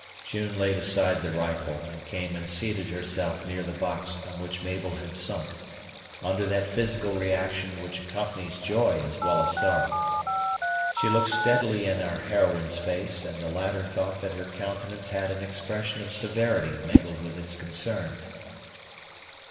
June laid aside the rifle, and came and seated herself near the box on which Mabel had sunk, under that physical reaction which accompanies joy as well as sorrow. She looked steadily in our heroine's face, and the latter thought that her countenance had an expression of severity mingled with its concern.